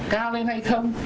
cao lên hay không